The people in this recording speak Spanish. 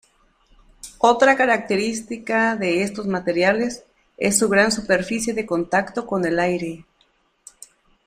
Otra característica de estos materiales es su gran superficie de contacto con el aire.